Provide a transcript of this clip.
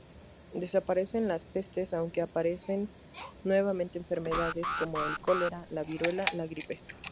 Desaparecen las pestes aunque aparecen nuevas enfermedades como el cólera, la viruela, la gripe.